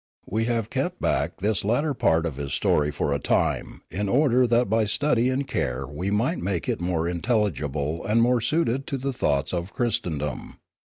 We have kept back this latter part of his story for a time in order that by study and care we might make it more intelligible and more suited to the thoughts of Christendom.